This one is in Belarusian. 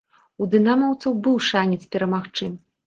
У дынамаўцаў быў шанец перамагчы.